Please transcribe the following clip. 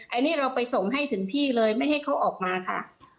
อันนี้เราไปส่งให้ถึงที่เลยไม่ให้เขาออกมาค่ะ